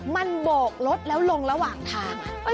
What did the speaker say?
มันโบกรถแล้วลงระหว่างทาง